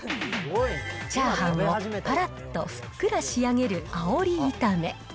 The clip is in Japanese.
チャーハンをぱらっとふっくら仕上げるあおり炒め。